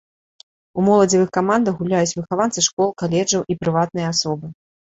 У моладзевых камандах гуляюць выхаванцы школ, каледжаў і прыватныя асобы.